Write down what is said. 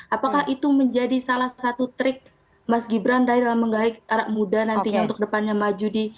apakah itu menjadi salah satu trik mas gibran dari dalam menggait anak muda nantinya untuk depannya maju di